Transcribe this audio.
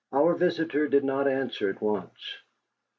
Our visitor did not answer at once.